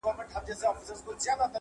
لا ویده پښتون له ځانه بېخبر دی٫